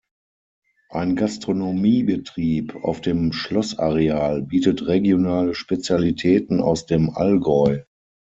Ein Gastronomiebetrieb auf dem Schlossareal bietet regionale Spezialitäten aus dem Allgäu.